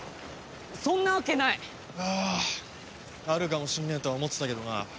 そんなわけない！はああるかもしんねえとは思ってたけどな。